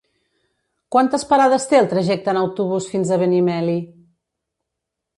Quantes parades té el trajecte en autobús fins a Benimeli?